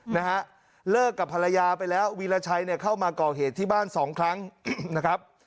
นะฮะเลิกกับภรรยาไปแล้ววีรชัยเนี่ยเข้ามาก่อเหตุที่บ้านสองครั้งนะครับ